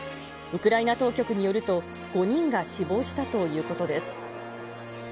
ウクライナ当局によると、５人が死亡したということです。